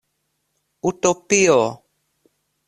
Utopio!